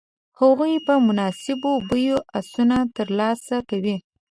هغوی په مناسبو بیو آسونه تر لاسه کوي.